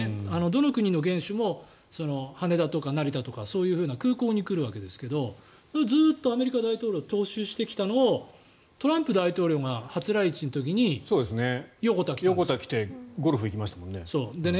どの国の元首も羽田とか成田とかそういうふうな空港に来るわけですけどずっとアメリカ大統領は踏襲してきたのをトランプ大統領が初来日の時に横田に来たんです。